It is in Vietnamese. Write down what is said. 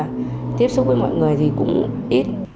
em từ bé gần như là tiếp xúc với mọi người thì cũng ít